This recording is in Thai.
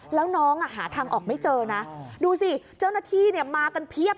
แล้วน้องหาทางออกไม่เจอนะดูสิเจ้าหน้าที่เนี่ยมากันเพียบ